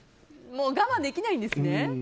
もう我慢できないんですね。